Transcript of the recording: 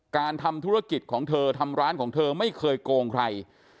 การทำธุรกิจของเธอทำร้านของเธอไม่เคยโกงใคร